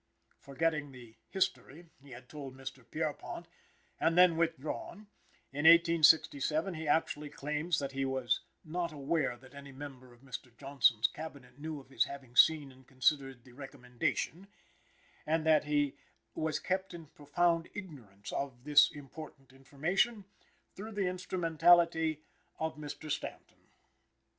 Forgetting the "history" he had told Mr. Pierrepont, and then withdrawn, in 1867, he actually claims that he "was not aware that any member of Mr. Johnson's Cabinet knew of his having seen and considered the recommendation," and that he "was kept in profound ignorance of" "this important information" "through the instrumentality of Mr. Stanton"!